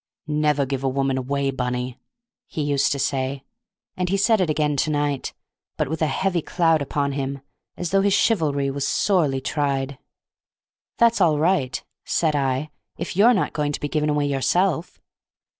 "Never give a woman away, Bunny," he used to say; and he said it again to night, but with a heavy cloud upon him, as though his chivalry was sorely tried. "That's all right," said I, "if you're not going to be given away yourself."